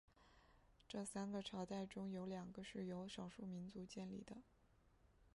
这三个朝代中有两个是由少数民族建立的。